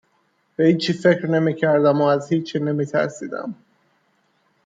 به هیچی فکر نمیکردم و از هیچی نمیترسیدم